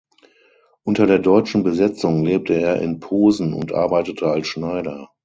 Unter der Deutschen Besetzung lebte er in Posen und arbeitete als Schneider.